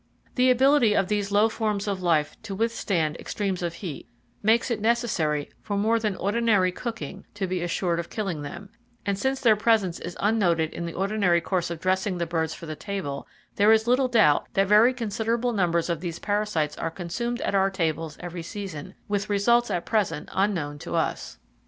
The ability of these low forms of life to withstand extremes of heat makes it necessary for more than ordinary cooking to be assured of killing them, and since their presence is unnoted in the ordinary course of dressing the birds for the table, there is little doubt that very considerable numbers of these parasites are consumed at our tables every season, with results at present unknown to us.